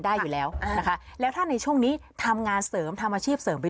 ได้อยู่แล้วนะคะแล้วถ้าในช่วงนี้ทำงานเสริมทำอาชีพเสริมไป